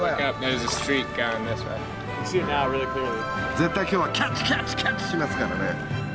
絶対今日はキャッチキャッチキャッチしますからね！